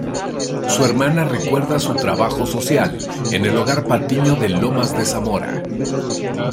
Su hermana recuerda su trabajo social en el Hogar Patiño de Lomas de Zamora.